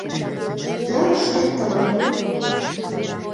Ялыште тымык...